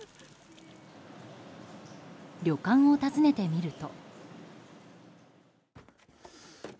旅館を訪ねてみると。